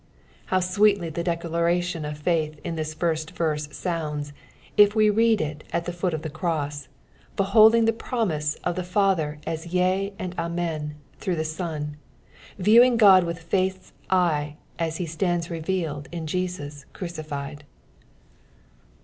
How sweetly the declaration of faith in this Brat verse sonnda, if wo read it at the foot of the cross, beholding the promise of the Father as yea and amen throiwh the Son ; viewing Ood with faith's eye as he stands revealed in Jesus crucified.